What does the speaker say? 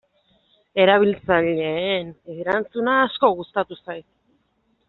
Erabiltzaileen erantzuna asko gustatu zait.